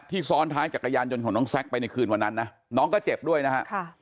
ซ้อนท้ายจักรยานยนต์ของน้องแซคไปในคืนวันนั้นนะน้องก็เจ็บด้วยนะฮะ